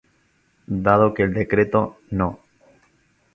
Dado que el Decreto No.